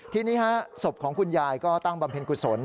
ทีนี้ศพของคุณยายก็ตั้งบำเพ็ญกุศล